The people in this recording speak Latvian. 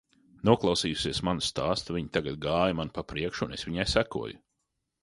Noklausījusies manu stāstu, viņa tagad gāja man pa priekšu un es viņai sekoju.